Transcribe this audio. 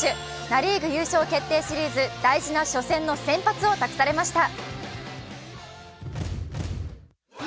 ナ・リーグ優勝決定シリーズ、大事な初戦の先発を託されました。